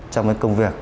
trong cái công việc